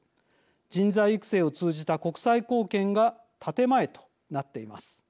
人材育成を通じた国際貢献が建て前となっています。